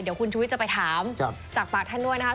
เดี๋ยวคุณชุวิตจะไปถามจากฝากท่านด้วยนะครับ